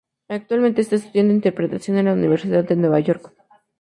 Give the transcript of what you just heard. Actualmente está estudiando Interpretación en la Universidad de Nueva York.